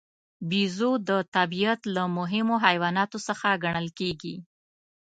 بیزو د طبیعت له مهمو حیواناتو څخه ګڼل کېږي.